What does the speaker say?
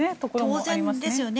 当然ですよね。